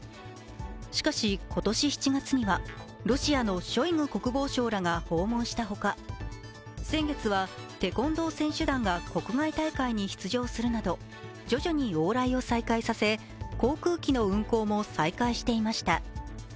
しかし今年７月には、ロシアのショイグ国防相らが訪問したほか、先月は、テコンドー選手団が国外大会に出場するなど、徐々に往来を再開させ航空機の運航も再開していました。